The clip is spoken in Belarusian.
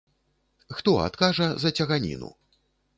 Хто адкажа за цяганіну?